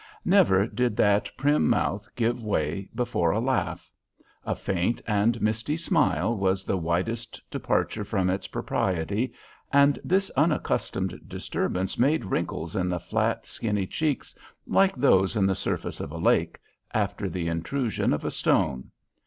Never did that prim mouth give way before a laugh. A faint and misty smile was the widest departure from its propriety, and this unaccustomed disturbance made wrinkles in the flat, skinny cheeks like those in the surface of a lake, after the intrusion of a stone.